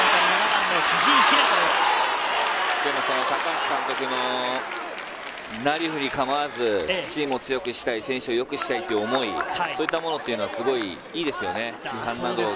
高橋監督のなりふり構わず、チームを強くしたい、選手をよくしたいっていう思い、そういったものっていうのはすごくいいですよね。